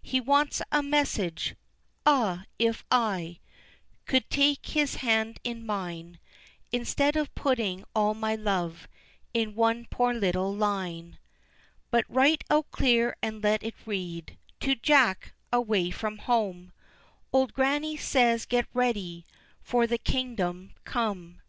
He wants a message Ah, if I Could take his hand in mine Instead of putting all my love In one poor little line. But write out clear and let it read _To Jack, away from home, Old Grannie says, get ready, For the Kingdom come.